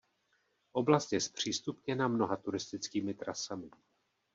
Oblast je zpřístupněna mnoha turistickými trasami.